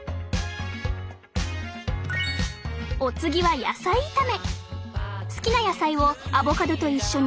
お次は野菜炒め！